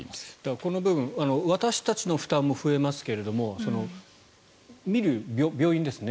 この部分私たちの負担も増えますけれども診る病院ですね。